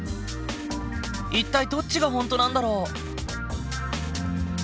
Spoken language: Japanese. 一体どっちが本当なんだろう？